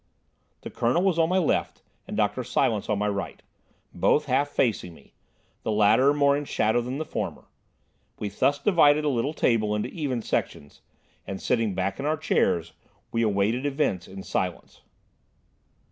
The Colonel was on my left, and Dr. Silence on my right, both half facing me, the latter more in shadow than the former. We thus divided the little table into even sections, and sitting back in our chairs we awaited events in silence.